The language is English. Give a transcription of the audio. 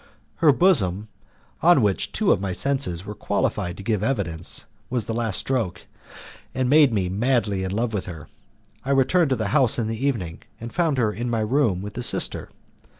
Her bosom, on which two of my senses were qualified to give evidence, was the last stroke, and made me madly in love with her. I returned to the house in the evening, and found her in her room with the sister.